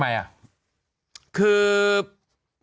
แสดงแหน่ะรู้ดีนะเธอล่ะ